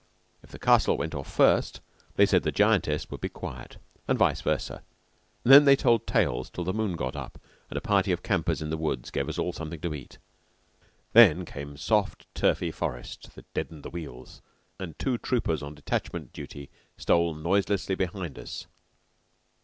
If the Castle went off first, they said the Giantess would be quiet, and vice versa, and then they told tales till the moon got up and a party of campers in the woods gave us all something to eat. Then came soft, turfy forest that deadened the wheels, and two troopers on detachment duty stole noiselessly behind us.